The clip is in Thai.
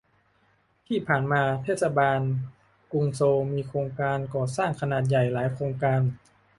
ที่ผ่านมาเทศบาลกรุงโซลมีโครงการก่อสร้างขนาดใหญ่หลายโครงการ